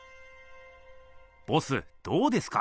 ボスどうですか？